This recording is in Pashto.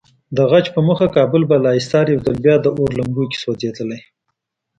د غچ په موخه کابل بالاحصار یو ځل بیا د اور لمبو کې سوځېدلی.